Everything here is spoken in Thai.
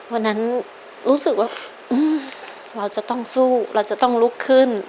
วันนั้นรู้สึกว่าเราจะต้องสู้เราจะต้องลุกขึ้น